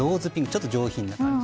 ちょっと上品な感じ。